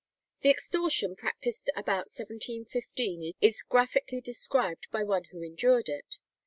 The extortion practised about 1715 is graphically described by one who endured it.